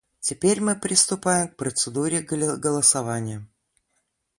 Теперь мы приступаем к процедуре голосования.